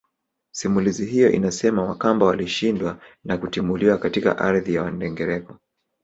Simulizi hiyo inasema Wakamba walishindwa na kutimuliwa katika ardhi ya Wandengereko